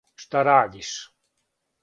Шта радиш?